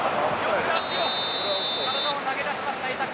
体を投げ出しました板倉。